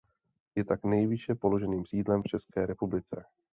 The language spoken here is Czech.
Je tak nejvýše položeným sídlem v České republice.